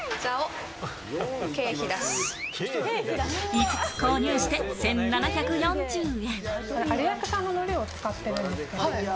５つ購入して１７４０円。